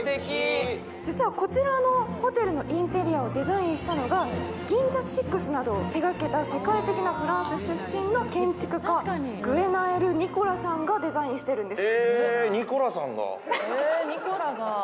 実はこちらのインテリアをデザインしたのが、ＧＩＮＺＡＳＩＸなどを手がけた世界的なデザイナー兼、建築家グエナエル・ニコラさんがデザインしてるんです。